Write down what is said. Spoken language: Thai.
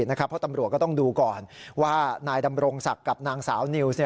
เพราะตำรวจก็ต้องดูก่อนว่านายดำรงศักดิ์กับนางสาวนิวส์